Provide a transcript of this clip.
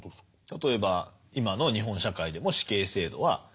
例えば今の日本社会でも死刑制度は。ありますよね。